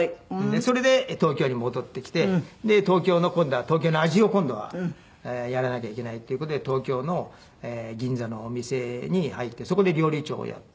それで東京に戻ってきて東京の味を今度はやらなきゃいけないっていう事で東京の銀座のお店に入ってそこで料理長をやって。